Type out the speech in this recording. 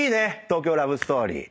『東京ラブストーリー』